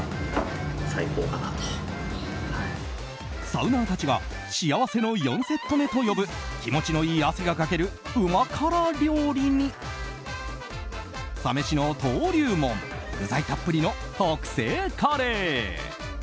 サウナーたちが幸せの４セット目と呼ぶ気持ちのいい汗がかけるうま辛料理にサ飯の登竜門具材たっぷりの特製カレー。